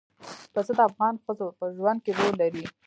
پسه د افغان ښځو په ژوند کې رول لري.